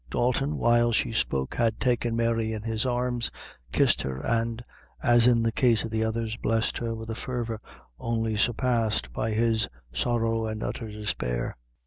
Dalton, while she spoke, had taken Mary in his arms, kissed her, and, as in the case of the others, blessed her with a fervor only surpassed by his sorrow and utter despair.